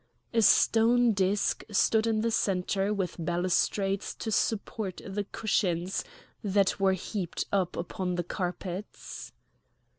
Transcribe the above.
A stone disc stood in the centre with balustrades to support the cushions that were heaped up upon carpets.